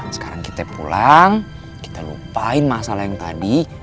sekarang kita pulang kita lupain masalah yang tadi